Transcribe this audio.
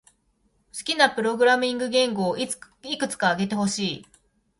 好きなプログラミング言語をいくつか挙げてほしい。